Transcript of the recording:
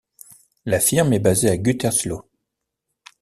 La firme est basée à Gütersloh.